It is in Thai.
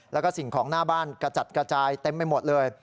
แล้วก็สิ่งของหน้าบ้านกระจัดกระจายเต็มไปหมดเลย